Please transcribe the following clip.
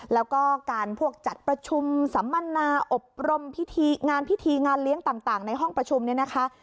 แล้วก็การพวกจัดประชุมสัมมนาอบรมพิธีงานพิธีงานเลี้ยงต่างในห้องประชุมเนี่ยนะคะ